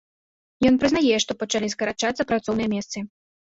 Ён прызнае, што пачалі скарачацца працоўныя месцы.